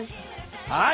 はい！